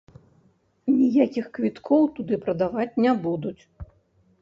Ніякіх квіткоў туды прадаваць не будуць.